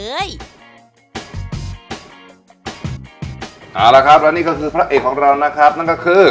เอาละครับและนี่ก็คือพระเอกของเรานะครับนั่นก็คือ